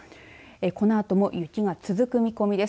このあとも雪が続く見込みです。